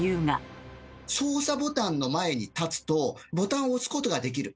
操作ボタンの前に立つとボタンを押すことができる。